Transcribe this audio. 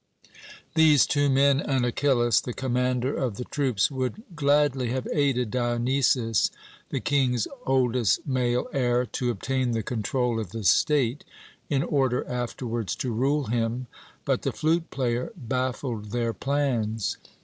These two men and Achillas, the commander of the troops, would gladly have aided Dionysus, the King's oldest male heir, to obtain the control of the state, in order afterwards to rule him, but the flute player baffled their plans.